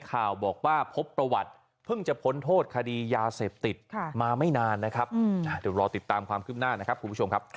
คือเขาเคยมีจีบแดงแม่เขาก็ไม่รู้